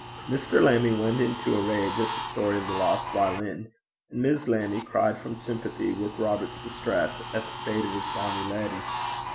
Mr. Lammie went into a rage at the story of the lost violin, and Miss Lammie cried from sympathy with Robert's distress at the fate of his bonny leddy.